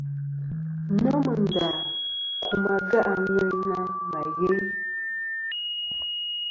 Nomɨ ndà kum age' a ŋwena mà yeyn.